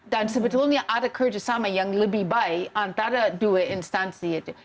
dan sebetulnya ada kerjasama yang lebih baik antara dua instansi itu